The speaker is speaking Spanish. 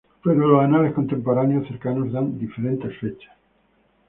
Pero los anales contemporáneos cercanos dan diferentes fechas.